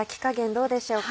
どうでしょうか？